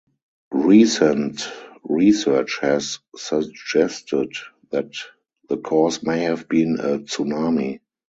Recent research has suggested that the cause may have been a tsunami.